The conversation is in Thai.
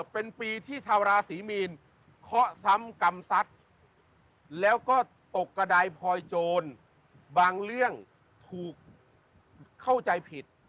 เป็นปีที่ชาวราศีมีนเคาะซ้ำกรรมสัตว์แล้วก็ตกกระดายพลอยโจรบางเรื่องถูกเข้าใจผิด